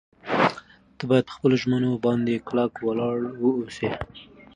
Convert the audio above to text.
ته باید په خپلو ژمنو باندې کلک ولاړ واوسې.